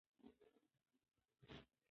ما په دې ونې باندې ډېرې هیلې تړلې وې.